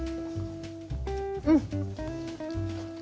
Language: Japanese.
うん。